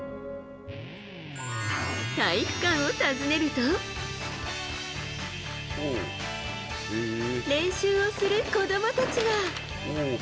体育館を訪ねると練習をする子供たちが。